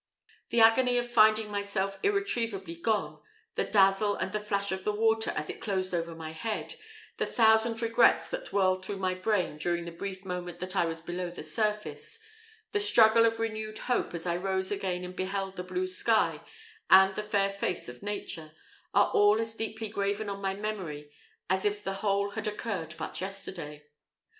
The agony of finding myself irretrievably gone the dazzle and the flash of the water as it closed over my head the thousand regrets that whirled through my brain during the brief moment that I was below the surface the struggle of renewed hope as I rose again and beheld the blue sky and the fair face of nature, are all as deeply graven on my memory as if the whole had occurred but yesterday.